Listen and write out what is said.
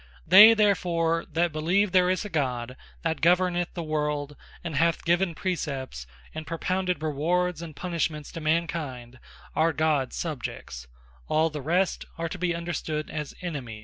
They therefore that believe there is a God that governeth the world, and hath given Praecepts, and propounded Rewards, and Punishments to Mankind, are Gods Subjects; all the rest, are to be understood as Enemies.